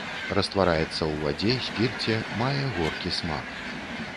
Раствараецца ў вадзе, спірце, мае горкі смак.